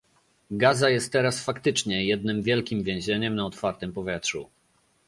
Gaza jest teraz faktycznie jednym wielkim więzieniem na otwartym powietrzu